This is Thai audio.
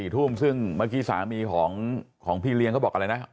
๔ทุ่มซึ่งเมื่อกี้สามีของพี่เลี้ยงเขาบอกอะไรนะ